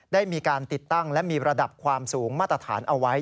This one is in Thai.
ได้มีการติดตั้งและมีระดับความสูงมาตรฐานเอาไว้